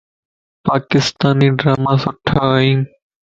پاڪستاني ڊراما سُٺا ائين